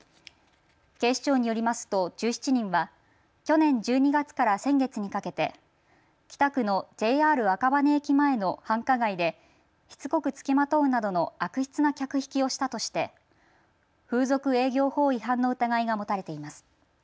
警視庁によりますと１７人は去年１２月から先月にかけて北区のＪＲ赤羽駅前の繁華街でしつこく付きまとうなどの悪質な客引きをしたとして風俗営業法違反の疑いが持たれています。